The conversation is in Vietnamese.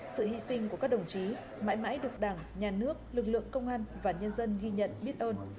sự hy sinh của các đồng chí mãi mãi được đảng nhà nước lực lượng công an và nhân dân ghi nhận biết ơn